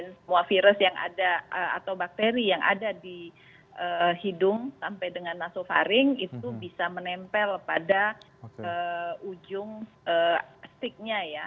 semua virus yang ada atau bakteri yang ada di hidung sampai dengan nasofaring itu bisa menempel pada ujung sticknya ya